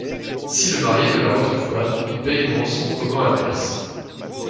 Si le marié ne la retrouve pas, il paie une rançon au camp adverse.